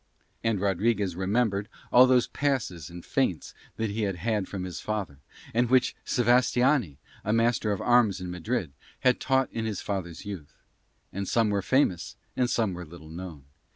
And Rodriguez remembered all those passes and feints that he had had from his father, and which Sevastiani, a master of arms in Madrid, had taught in his father's youth: and some were famous and some were little known.